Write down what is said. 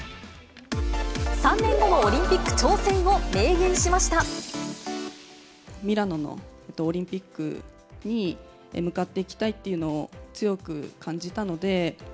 ３年後のオリンピック挑戦をミラノのオリンピックに向かっていきたいっていうのを強く感じたので。